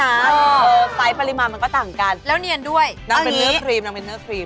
เออไซส์ปริมาณมันก็ต่างกันน้ำเป็นเนื้อครีมน้ำเป็นเนื้อครีม